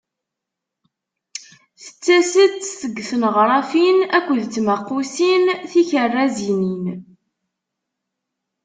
Tettas-d seg tneɣrafin akked tmaqqusin tikerrazanin.